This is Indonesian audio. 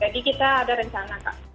jadi kita ada rencana kak